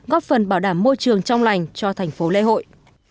góp phần bảo đảm môi trường trong lành cho thành phố lễ hội